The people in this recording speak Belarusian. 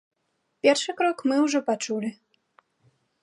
Першы крок мы ўжо пачулі.